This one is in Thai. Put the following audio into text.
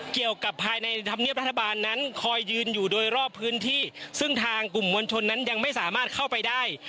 เกี่ยวกับภายในธรรมเนียบรัฐบาลนั้นคอยยืนอยู่โดยรอบพื้นที่ซึ่งทางกลุ่มมวลชนนั้นยังไม่สามารถเข้าไปได้